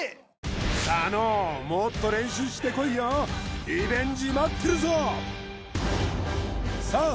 佐野もっと練習してこいよリベンジ待ってるぞさあ